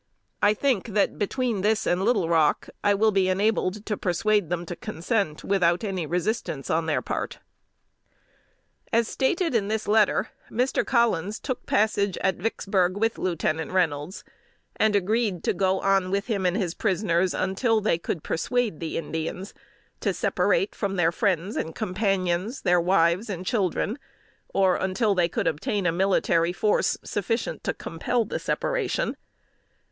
I think that, between this and Little Rock, I will be enabled to persuade them to consent without any resistance on their part." As stated in this letter, Mr. Collins took passage at Vicksburg with Lieutenant Reynolds, and agreed to go on with him and his prisoners, until they could persuade the Indians to separate from their friends and companions, their wives and children, or until they could obtain a military force sufficient to compel the separation.